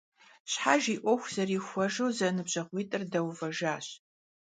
Щхьэж и Iуэху зэрихуэжу зэныбжьэгъуитIыр дэувэжащ.